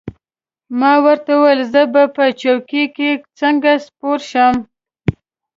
ما ورته وویل: زه به په څوکۍ کې څنګه سپور شم؟